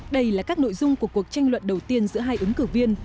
đây là các nội dung của cuộc tranh luận đầu tiên giữa hai ứng cử viên